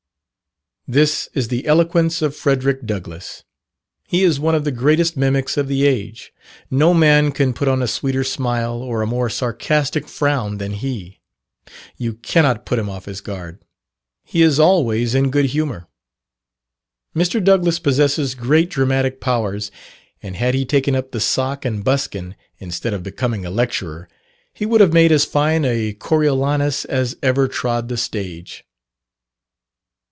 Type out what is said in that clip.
This is the eloquence of Frederick Douglass. He is one of the greatest mimics of the age. No man can put on a sweeter smile or a more sarcastic frown than he: you cannot put him off his guard. He is always in good humour. Mr. Douglass possesses great dramatic powers; and had he taken up the sock and buskin, instead of becoming a lecturer, he would have made as fine a Coriolanus as ever trod the stage.